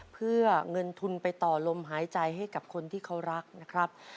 เพื่อเงินทุนไปต่อลมหายใจให้กับคนที่เขารักนะครับ